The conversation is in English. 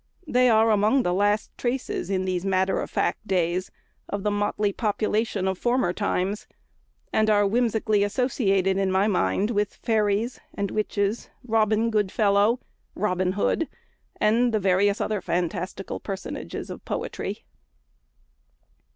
They are among the last traces, in these matter of fact days, of the motley population of former times; and are whimsically associated in my mind with fairies and witches, Robin Goodfellow, Robin Hood, and the other fantastical personages of poetry.